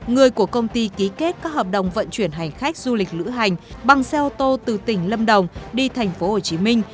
người của công ty ký kết các hợp đồng vận chuyển hành khách du lịch lữ hành bằng xe ô tô từ tỉnh lâm đồng đi tp hcm